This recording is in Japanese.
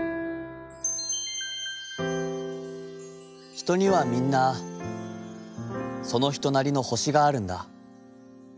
「『ひとにはみんな、そのひとなりの星があるんだ。